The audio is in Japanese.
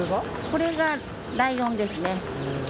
これがライオンですね。